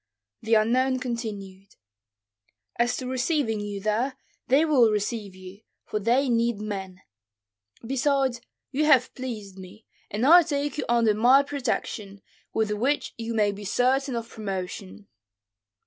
The unknown continued, "As to receiving you there, they will receive you, for they need men; besides, you have pleased me, and I take you under my protection, with which you may be certain of promotion."